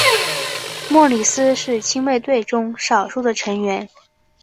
莫里斯是亲卫队中少数的成员。